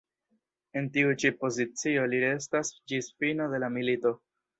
En tiu ĉi pozicio li restas ĝis fino de la milito.